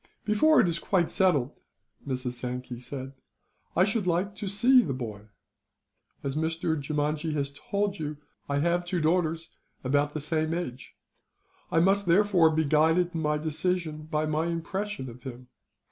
"Before it is quite settled," Mrs. Sankey said, "I should like to see the boy. As Mr. Jeemajee has told you, I have two daughters about the same age. I must, therefore, be guided in my decision by my impression of him."